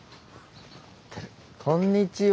こんにちは。